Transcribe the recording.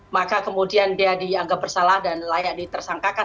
maka kemudian dia dianggap bersalah dan layak ditersangkakan